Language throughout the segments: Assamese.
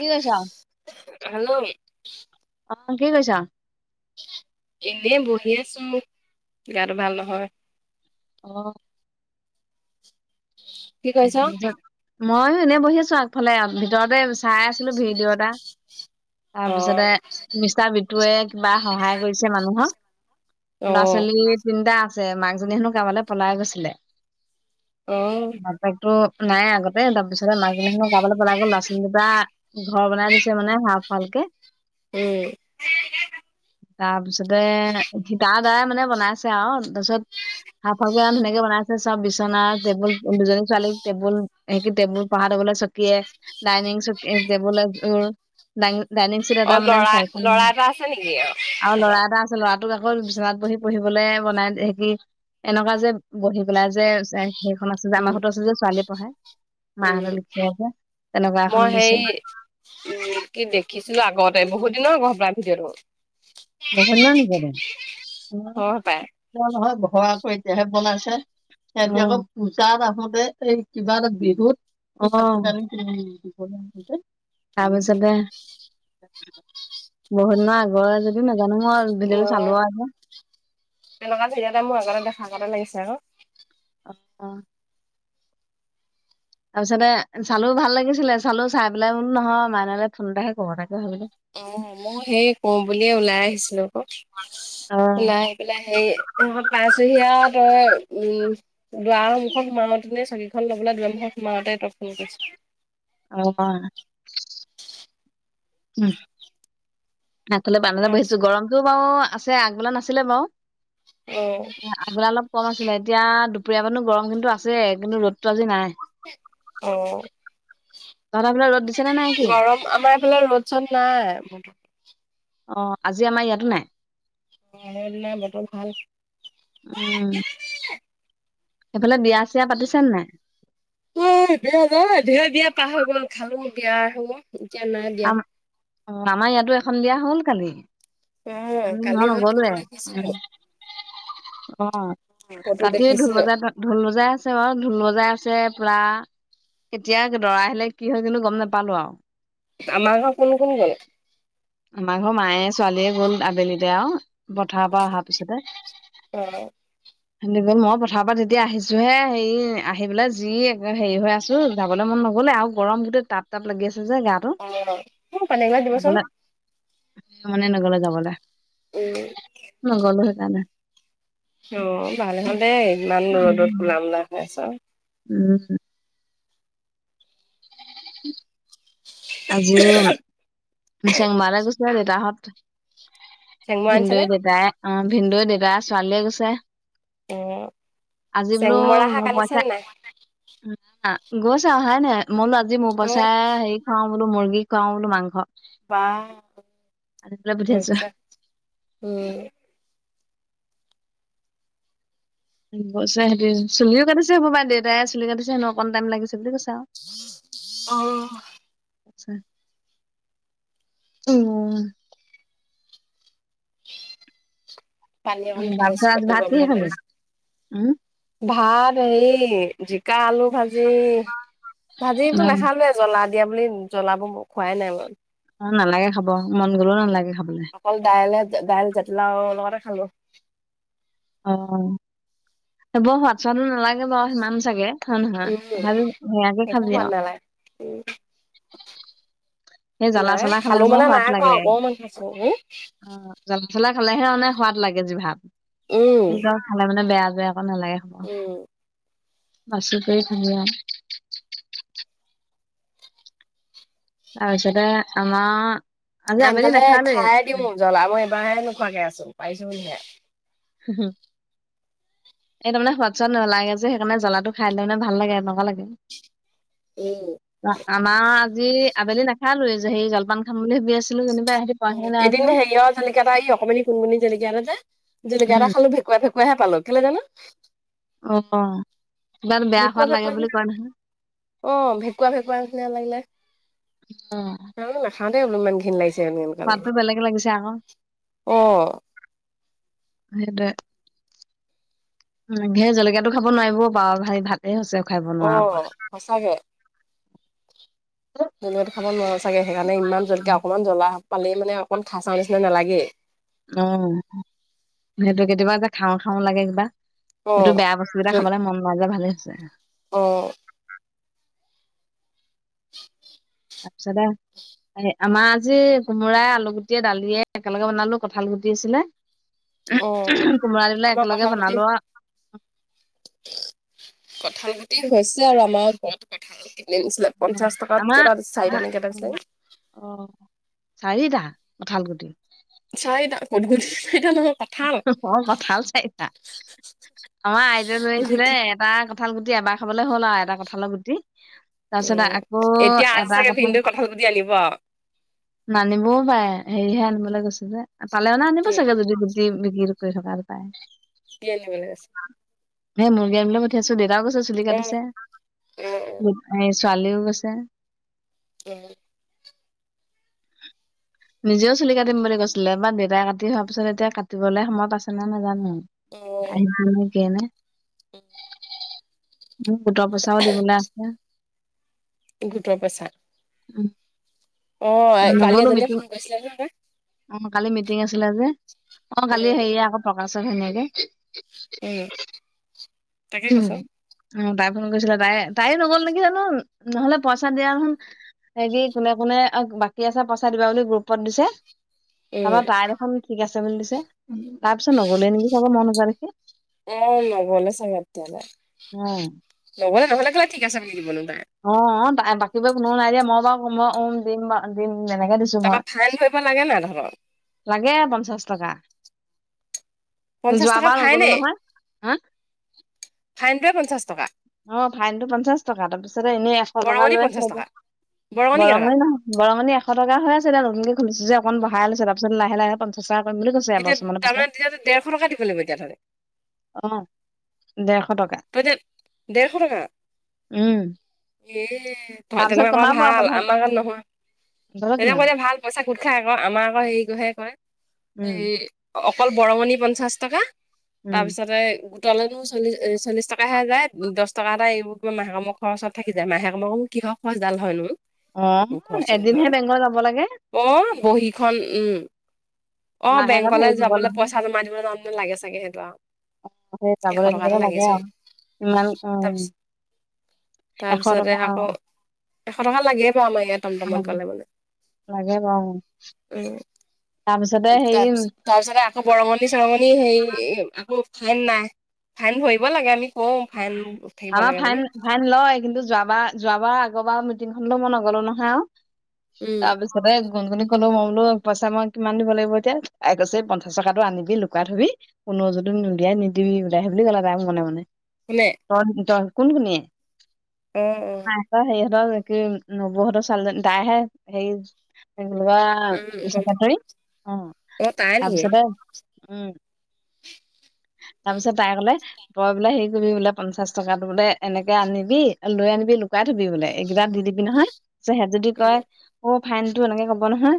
কি কৰিছা? হেল্ল'। অ', কি কৰিছা? এনেই বহি আছোঁ, গাটো ভাল নহয়। অ'। [unintelligible] তাৰপিছত, মইয়ো এনে বহি আছোঁ আগফালে, ভিতৰতে চাই আছিলো ভিডিঅ' এটা, তাৰপিছতে অ', মিষ্টাৰ বিটুৱে কিবা সহায় কৰিছে মানুহক, ল'ৰা অ', ছোৱালী তিনিটা আছে, মাকজনী হেনো কাৰবালৈ পলাই গৈছিলে। অ'। বাপেকতো নাই আগতে, তাৰপিছতে মাকজনী হেনো কাৰবালৈ পাই গ'ল, ল'ৰা ছোৱালী কেইটাক ঘৰ বনাই দিছে মানে হাফ ৱালকে। উম। তাৰপিছতে ঠীকাদাৰে মানে বনাইছে আৰু, তাৰপিছত হাফ ৱালকে ইমান ধুনীয়াকে বনাইছে, চব বিচনা, টেবুল দুজনী ছোৱালীক টেবুল, হেৰি কি? টেবুল পঢ়া টেবুলে চকীয়ে ডাইনিং, চকী, টেবুল এযোৰ ডাই ডাইনিং চিট এটা অ', মানে ল'ৰা চাৰিখন, ল'ৰা এটা আছে নেকি অ', আৰু ল'ৰা এটা আছ ল'ৰাটোক আকৌ বিচনাত বহি পঢ়িবলৈ বনাই হেৰি এনেকুৱা যে, বহি পেলাই যে চাই সেই এখন আছে যে, আমাৰ উম, ঘৰটো আছে যে ছোৱালীয়ে পঢ়ে, উম, মাহঁতে দিছিলে যে, তেনেকুৱা এখন মই দিছে। হেৰি কি দেখিছিলো আগতে? বহুত দিনৰ আগৰ হপাই ভিডিঅটো। বহুত দিনৰ নেকি সেইটো? হয় পাই নহয় ঘৰ আকৌ এতিয়াহে বনাইছে। তেহেঁতি আকৌ পূজাত আহোতে এই কিবা এটা বিহুত অ', তাৰ পিছতে বহুত দিনৰ আগৰে যদিও নাজানো, মই ভিডিঅ'টো চালো অ', আৰু এতিয়া। তেনেকুৱা ভিডিঅ' এটা মোৰ আগতে দেখা গতে লাগিছে আকৌ। অ', অ'। তাৰপিছতে চালো ভাল লাগিছিলে, চালো চাই পেলাই বোলো নহয়, মাইনালে ফোন এটাহে কৰো, তাকে ভাবিলো। অ', ময়ো সেই কৰো বুলিয়ে ওলাই আহিছিলো আকৌ, অ ওলাই ওলাই হেৰি, এইডখৰ পাইচোহি আওঁ, তাপা, উম। দুৱাৰ মুখত সোমাওঁতেই, চকীখন ল'বলৈ দুৱাৰমুখত সোমাওঁতেই তই ফোন কৰিছ। অ', [unintelligible] উম। আগফালে বাৰান্দাতে বহি আছোঁ, গৰমটো বাৰু আছে, আগবেলা নাছিলে বাৰু। হেহ। আগবেলা অলপ কম আছিলে, এতিয়া দুপৰীয়াপাটো গৰম কিন্তু আছেই, কিন্তু ৰ'দটো আজি নাই। অহ। তহঁতৰ সেইফালে ৰ'দ দিছে নে নাই কি গৰম, আমাৰ এইফালে ৰ'দ চ'দ নাই। অ আজি আমাৰ ইয়াতো নাই ৰ'দ নাই বতৰ ভাল উম সেইফালে বিয়া চিয়া পাতিছে নে নাই উ আই বিয়া নাই বিয়া দিয়া পাৰ হৈ গ'ল খালো বিয়া সময়ত এতিয়া নাই বিয়া আম অ আমাৰ ইয়াতো এখন বিয়া হ'ল কালি অ আমি কালি মই নগলোৱে ফটো দেখিছিলো উম অ ফটো ৰাতিয়ে ঢোল দেখিছিলো বজাই ঢোল বজাই আছে বাৰু ঢোল বজাই আছে পুৰা কেতিয়া দৰা আহিলে কি হ'ল কিন্তু গম নাপালো আৰু আমাৰ ঘৰৰ কোন কোন গ'ল আমাৰ ঘৰৰ মায়ে ছোৱালীয়ে গ'ল আবেলিতে আও পথাৰৰ পৰা অহাৰ পিছতে [unintelligible] অ সিহঁতে গ'ল ময়ো পথাৰৰ পৰা তেতিয়া আহিছোহে হেৰি আহি পেলাই যি একে হেৰি হৈ আছো যাবলৈ মন নগ'লে আৰু গৰম গোটেই টাপ টাপ লাগি আছে যে গাটো অ মোক পানী এগিলাচ দিবচোন যাবলে সেইকাৰণে মনে নগলে যাবলে উম নগলো সেইকাৰণে অহ ভালে হ'ল দে ইমান ৰ'দত কলামলা হৈ আছ উম হুম আজি উম চেংমাৰা গৈছিলে দেউতাহঁত চেংমৰা আনিছে নে ভিনদেউৱে দেউতাই অ ভিনদেউৱে দেউতাই আৰু ছোৱালীয়ে গৈছে অ আজি বোলো চেংমৰা শাক মোৰ আনিছে নে মই নাই উম আ গৈছে অহাই নাই মই বোলো আজি মোৰ অ পইচাৰে হেৰি খুৱাও বোলো মুৰ্গী খুৱাও বোলো মাংস বাহ আনি পেলাই পঠিয়াইছো মজা উম গৈছে সিহঁতি চুলিও কাটিছে হ'ব পাই দেউতাই চুলি কাটিছে হেনো অকন টাইম লাগিছে বুলি কৈছে আও অহ আচ্ছা উম পানী অকণ খাইছো তাৰপিছত আজি পেটতো ভাত গৰম কিহে গৰম খালি উম লাগিছে ভাত হেৰি জিকা আলু ভাজি ভাজিটো নাখালোৱে জ্বলা দিয়া বুলি জ্বলাবোৰ মই খোৱাই নাই বাৰু অ নালাগে খাব মন গ'লেও নালাগে খাবলে অকল দাইলে দাইল জাতিলাও লগতে খালো অহ এইবোৰ সোৱাদ চোৱাদো নালাগে বাও সিমান চাগে হয় নহয় উম তথাপিও সেয়াকে একো খালি সোৱাদ আও নালাগে উম সেই জ্বালা নাই চালা খালে খালো হে মানে সোৱাদ নাই খোৱা লাগে অকমান খাইছো অ জ্বলা চলা খালেহে মানে সোৱাদ লাগে জিভাত উম কিন্তু আকৌ খালে মানে বেয়া যে অ নালাগে খাব উম বাচি কৰি খাবি আও তাৰপিছতে আমাৰ আজি আবেলি আনকালে নাখালোৱে খাই দিওঁ জ্বলা মই এইবাৰহে নোখোৱাকে আছো পাৰিছো বুলিহে হু হু এই তাৰমানে সোৱাদ চোৱাদ নালাগে যে সেই কাৰণে জ্বলাটো খাই দিলে মানে ভাল লাগে এনেকুৱা লাগে উম আ আমাৰো আজি আবেলি নাখালোৱে যে সেই জলপান খাম বুলি ভাবি আছিলো যেনিবা উম পোৱাহি নাই এদিন নহয়। হেৰিয়ৰ জলকীয়া এটা এই অকণমানি কণমানি জলকীয়া এটা যে জলকীয়া উম। এটা খালো ভেকুৱা ভেকু ভেকুৱাহে পালো কেলে জানো অহ কিবা এটা বেয়া ভেকুৱা সোৱাদ লাগে ভেকুৱা বুলি কয় নহয় অ ভেকুৱা ভেকুৱা নিচিনা লাগিলে অহ। [unintelligible] নাখাওঁ দেই বুলোঁ। ইমান ঘিন লাগিছে [unintelligible] মাতটো বেলেগে লাগিছে আক'। অ সেইটোৱে। সে জলকীয়াটো খাব নোৱাৰিব পা [unintelligible] ভাত এ হৈছে [unintelligible] অ, সঁচাকে। [unintelligible] জলকীয়াটো খাব নোৱাৰোঁ ছাগে। সেকাণে ইমান জলকীয়া। অকণমান জ্বলা পালেই মানে অকণ খাই চাওঁ নিচিনা নালাগেই। অ। সেইটোৱে কেতিয়াবা যে খাওঁ খাওঁ লাগে কিবা। অ সেটো বেয়া বস্তু কিটা খাবলে মন নাই যোৱা ভালে হৈছে। অঁ। [unintelligible] তাপিছতে। আমা আজি কোমোৰাই, আলু গুটিয়ে, দালিয়ে একেলগে বনালো, কঁঠাল গুটি আছিলে। অ কোমোৰা দিলে আমাৰ কঁঠাল একেলগে গুটি বনালোঁ আ। কঁঠাল গুটি হৈছে আৰু আমা [unintelligible] কঁঠাল কিনি আনিছিলে আৰু পঞ্চাশ টকাত। কেইটা দিছ চাৰিটা নে কেটা [unintelligible] অঁ। চাৰিটা কঁঠালগুটি। চাৰিটা [unintelligible] অ কঁঠাল চাৰিটা। আমা আইদেউ লৈ আহিছিলে। গুটি এটা কঁঠাল গুটি এবাৰ খাবলে হ'ল আৱ এটা কঁঠাল গুটি। অ তাপিছতে আকৌ এতিয়া আজি এটা চাগে কথা ভিনদেউ কঁঠাল গুটি আনিব আৰু নানিবওঁ পাৰে। হেৰিহে আনিবলে গৈছে যে। পালে মানে আনিব কি চাগে। যদি বিকিৰ কৰি থকাৰ পায়। কি আনিবলে ছে। হে মৰ্গী আনিবলে পঠিয়াইছোঁ। দেউতাও কৈছে, চুলি অ কাটিছে। অ ছোৱালীও গৈছে। [unintelligible] [inaudible] নিজেও চুলি কাটিম বুলি কৈছিলে বা দেউতাই কাটি হোৱা পিছত এতিয়া কাট টিবলে সময় পাইছে নে নাই নেজানোঁ। অ আহি [unintelligible] কিয়ে নে। [unintelligible] [unintelligible] গোট পইচাওঁ দিবলে আছে। গোটৰ প‌ইচা। উম। অ, কালি নগলো এজনীয়ে মিটিং ফোন কৰিছিলে নহয়। অ, কালি মিটিং আছিলে যে। অ কালি উম হেৰি আকৌ। থকাসোন সেনেকে। উম তাকে উম। কৈছ অ, তাই ফোন কৰিছিলে। তাই তাই নগ'ল নেকি জানো, নহ'লে পইচা দিয়া দেখোন হেৰি কোনে কোনে [unintelligible] বাক বাকী আছে পইচা দিবা বুলি গ্ৰুপত দিছে। উম তাপা তাই দেখোন ঠিক আছ চাবলে দিছে। তা পিছত নগলে নেকি চাব মই নোযোৱা দেখি। এ নগলে চাগে তেতিয়াহলে। উম, নগলে নহলে কেলে ঠিক আছে বুলি দিবনো তাই? অ অ। তাই বাকী বোৱে কোনো নাই দিয়া। মই বাও ওম দিম দিম তেনেকে দিছোঁ। তাপা ফাইন ধৰিব লাগে নাই তহত? লাগে আ, পঞ্চাশ টকা। পঞ্চাশ টকা যোৱাবাৰ নগলো ফাইনেই নহয় হা ফাইনটোৱে পঞ্চাশ টকা অ', ফাইনতটো পঞ্চাশ টকা। তাৰ পিছ তাৰপা এনেই এশ টকা বৰঙণি লৈ আছে পঞ্চাশ আকো টকা বৰঙণি কেইটকা বৰঙে নহয়। বৰঙণি এশ টকা হৈ আছিলে। নতুনকে খোলিছো যে অকণ বঢ়াই লৈছে। তাৰপিত লাহ লাহে পঞ্চা সচা কৰিম বুলি কৈছে। এতিয়া এবছৰমানৰ পিছত তাৰমানে তেতিয়া ডেৰশ টকা দিব লাগিব এতিয়া তহঁতে অ', ডেৰশ টকা তই যে দেৰশ টকা উম এ, তাৰপিছত তেনেকুৱা ক কমাব আৰু ভাল পঞ্চাশ আমাৰ কাৰণে নহয়। তহঁতৰ কিমান তেনেকুৱা ভাল পইচা গোট খাই আকৌ আমাৰ আকৌ হেৰি কৰিহে কয়। উম এই অকল বৰঙণি পঞ্চাশ টকা তাৰ উম পিছতে গোটলনো [unintelligible] চল্লিশ টকাহে যায়। দহ টকা এটা [unintelligible] থাকি যায় [unintelligible] উ, কিহৰ খৰচ ডাল হ'ল [unintelligible] অ', এদিনহে বেংকত যাব লাগে। অ', বহীখন উম, অ, মাহেকত বেংকলে হেৰি দিব যাবলৈ নহয় পইচা জমা দিব যাম। লাগে চাগে সেইটো আও [unintelligible] যাবলৈ দিবলৈ লাগে আৰু ইমান অ তাৰপিছ এশ তাৰপিছতে টকা অ আকৌ এশ টকা লাগে বাৰু আমাৰ ইয়াত টমটমত গলে মানে। লাগে বাৰু উম তাৰপিছতে হেৰি তাৰপিছত তাৰপিছতে আকৌ বৰঙণি চৰঙণি হেৰি আকৌ ফাইন নাই। ফাইন ভৰিব লাগে। আমি কওঁ ফাইন থাকিব আমাৰ লাগে বুলি ফাইন ফাইন লয়। কিন্তু যোৱাবাৰ যোৱাবাৰ আগৰ বাৰ মিটিংখনলৈও মই নগলো নহয় আৰু উম তাৰপিছত [unintelligible] গুণগুণিক কলো মই বোলো পইচা মই কিমান দিব লাগিব। এতিয়া তাই কৈছে এই পঞ্চাশ টকাটো আনিবি লুকুৱাই থবি। কোনো যদি নোলিয়াই নিদিবি বোলে। সেই বুলি ক'লে তাই মনে মনে। শুলে [unintelligible] কোন কোনীয়ে উম', আমাৰ ইহঁতৰ হেৰিহঁতৰ নবৌহঁতৰ ছোৱালীজনী তাইহে হেৰি অ উম [unintelligible] [unintelligible] গম চেক্ৰেটেৰী অ, অ তাই নেকি? তাৰপিছতে উম', উম তাৰপিছত তাই কলে তই বোলে। সেই [unintelligible] বোলে। পঞ্চাশ টকাটো বোলে এনেকে আনিবি লৈ আনিবি লুকাই থবি বোলে। এইকেইটা দি দিবি নহয়। [unintelligible] যদি কয়। উম অ', ফাইনটো এনেকে ক'ব নহয়।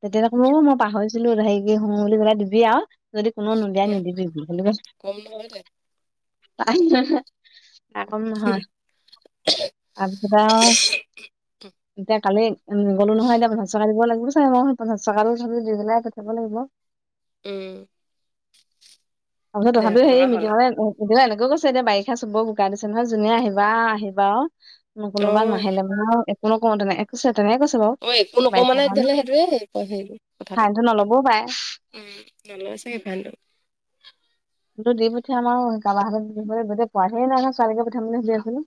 তেতিয়া কম মই পাহৰিছিলো। হেৰি [unintelligible] বুলি [unintelligible] দিবি আৰু যদি কোনো নোলিয়াই ইয়া নিদিবি বুলি ক কম নহয় দে [unintelligible] তাই কম নহয়। তাৰপিছত আৰু [unintelligible] এতিয়া কালি উম, গ'লো নহয়। এতিয়া পঞ্চাশ পকা দিব লাগিব চাগে। মই পঞ্চাশ চকা দি পেলাই পঠিয়াব লাগিব। উম', তাৰপিছত ডেৰশ তথাপিও সেই টকা হ'ল মিটিঙলে এতিয়া এনেকৈ কৈছে। এতিয়া বাৰিষা চবৰ বোকা দিছে নহয় যোনে আহিবা আহিবা অ কোনোবা নাহিলে মানে একো নকওঁ তেনেকে কৈছে তেনেকে কৈছে বাৰু অ একো নকওঁ বাৰিষা মানে কাৰণে তেতিয়াহ'লে সেইটোয়ে হেৰি হেৰি কথাটো ফাইনটো নলবও পাৰে। উম', নলয় চাগে ফাইনটো [unintelligible] টো দি পঠিয়াম আৰু কাৰোবাৰ হাতত গোটেই পোৱাহিয়ে নাই নহয়। ছোৱালীকে পঠাম বুলি ভাবি আছিলো।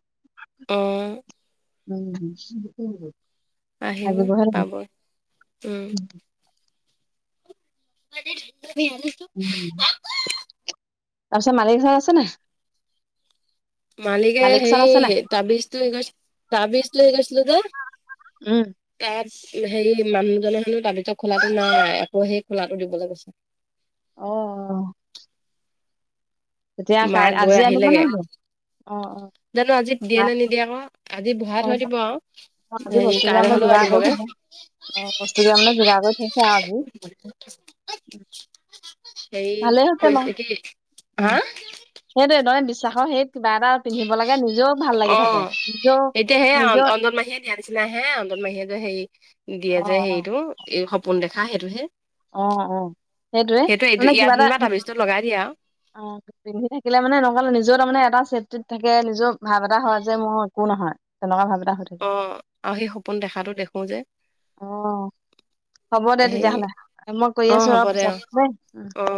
অ'। আহিব পাব উম [unintelligible] [unintelligible] তাৰপিছত মালিক ঘৰত আছেনে নাই? মালিকে মালিক ওচৰত আছে নাই হেই তাবিজটো তাবিজটো হেৰি কৰিছিলো যে। উম তাত হেৰি মানুহজনে মানে তাবিজৰ খোলাটো নাই আকৌ সেই খোলাটো দিবলৈ গৈছে। অ', অ'। তেতিয়া মা কাই গৈ আজি আনিব নে আহিলেগে কি? অ', অ'। জানো আজি দিয়ে নাই, নে নিদিয়ে আকৌ, আজি ভৰাই অ থৈ দিব আৰু। অ', আজি হেৰি বস্তু কিটা কাইলৈ মই হলেও যোগাৰ কৰি আনিবগে থৈছোঁ। বস্তু কেইটা মানে যোগাৰ কৰি থৈছে আৰু আজি। ভালেই হৈছে হেৰী বাৰু ক কি উম। হা? সেইটোৱে তাৰমানে বিশ্বাসৰ হেৰিত কিবা এটা পিন্ধিব লাগে নিজেও ভাল লাগি থাকে অ', নিজেও এতিয়াহে নিজৰ অঞ্জন মাহীয়ে দিয়া নিচিনা হে, অঞ্জন মাহীয়ে যে সেই দিয়ে অ যে, হেৰিটো এই সপোন দেখা সেইটো হে। অ', অ', সেইটয়ে এইটো মানে ইয়াত কিবা এটা যেনিবা তাবিজটো লগাই দিয়ে আৰু অ'। পিন্ধি থাকিলে মানে নহ'লে নিজেও তাৰ মানে এটা চেফটিত থাকে নিজৰ ভাৱ এটা হয়, যে মোৰ একো নহয়। তেনেকুৱা ভাব এটা হৈ থাকে। অ', আৰু হেই সপোন দেখাতো দেখো যে। অ হ'ব দে সেই তেতিয়াহ'লে মই কৰি অ আছো হ'ব অলপ দে অ পিছত দেই। অ